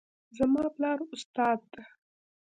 زما پلار استاد ده